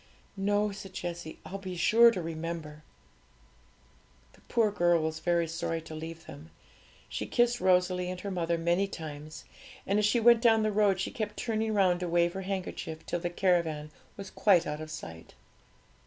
'No,' said Jessie; 'I'll be sure to remember.' The poor girl was very sorry to leave them; she kissed Rosalie and her mother many times; and as she went down the road, she kept turning round to wave her handkerchief, till the caravan was quite out of sight.